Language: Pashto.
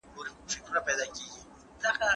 د سياسي بنسټونو پياوړي کول د هېواد په ګټه دي.